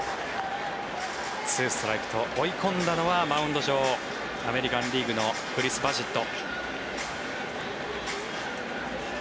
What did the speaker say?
２ストライクと追い込んだのはマウンド上アメリカン・リーグのクリス・バジット。